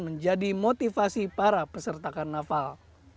menjadi motivasi para peserta karnaval